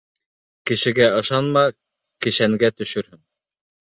Кешегә ышанма, кешәнгә төшөрһөң.